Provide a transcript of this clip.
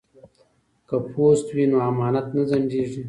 که پوست وي نو امانت نه ځنډیږي.